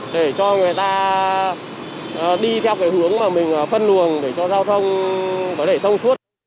để cho người ta đi theo cái hướng mà mình phân luồng để cho giao thông có thể thông suốt